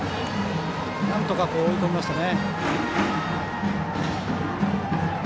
なんとか追い込みましたね。